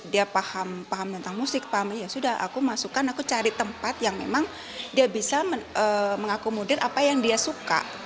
dia paham tentang musik paham ya sudah aku masukkan aku cari tempat yang memang dia bisa mengakomodir apa yang dia suka